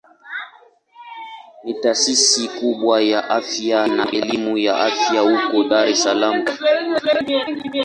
Ni taasisi kubwa ya afya na elimu ya afya huko Dar es Salaam Tanzania.